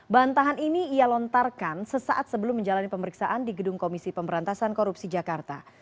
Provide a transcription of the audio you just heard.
bantahan ini ia lontarkan sesaat sebelum menjalani pemeriksaan di gedung komisi pemberantasan korupsi jakarta